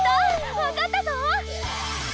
わかったぞ！